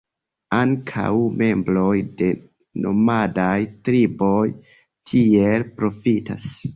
Ankaŭ membroj de nomadaj triboj tiel profitas.